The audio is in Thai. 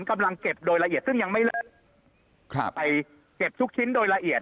กำลังเก็บโดยละเอียดซึ่งยังไม่เลิกครับไปเก็บทุกชิ้นโดยละเอียด